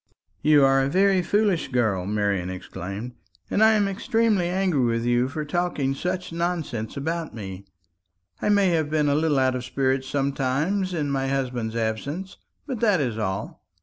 "You are a very foolish girl," Marian exclaimed; "and I am extremely angry with you for talking such utter nonsense about me. I may have been a little out of spirits sometimes in my husband's absence; but that is all.